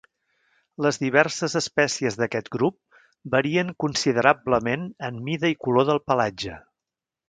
Les diverses espècies d'aquest grup varien considerablement en mida i color del pelatge.